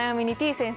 先生